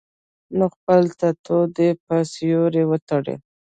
نو خپل ټټو دې پۀ سيوري وتړي -